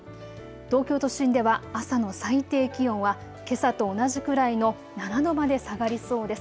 東京都心では朝の最低気温はけさと同じくらいの７度まで下がりそうです。